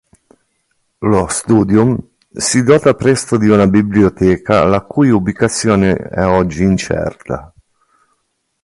Lo "Studium" si dota presto di una biblioteca la cui ubicazione è oggi incerta.